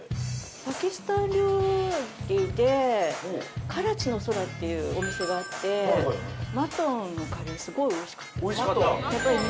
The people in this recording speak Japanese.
パキスタン料理で「カラチの空」っていうお店があってマトンのカレーすごい美味しかったです。